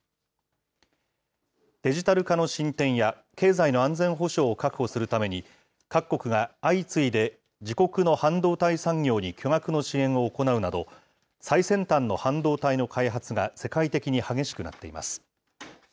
デジタル化の進展や経済の安全保障を確保するために、各国が相次いで自国の半導体産業に巨額の支援を行うなど、最先端の半導体の開発が世界的に激しくなっています。